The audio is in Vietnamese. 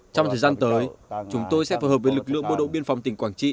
trong thời gian tới chúng tôi sẽ phù hợp với lực lượng bộ đội biên phòng tỉnh quảng trị